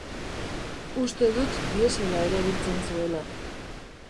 Uste dut diesela erabiltzen zuela.